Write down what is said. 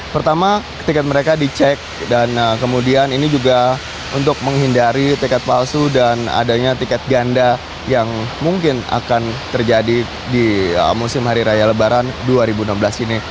pertama tiket mereka dicek dan kemudian ini juga untuk menghindari tiket palsu dan adanya tiket ganda yang mungkin akan terjadi di musim hari raya lebaran dua ribu enam belas ini